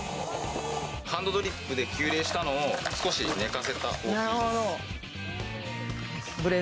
ハンドドリップで急冷したのを少し寝かせたコーヒーです。